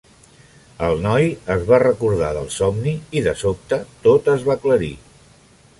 El noi es va recordar del somni i, de sobte, tot es va aclarir.